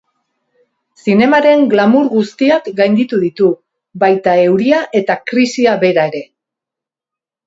Zinemaren glamour guztiak gainditu ditu, baita euria eta krisia bera ere.